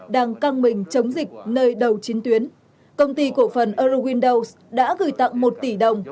đang căng mình chống dịch nơi đầu chiến tuyến công ty cổ phần eurowindows đã gửi tặng một tỷ đồng